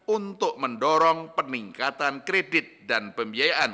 untuk mendorong peningkatan kredit dan pembiayaan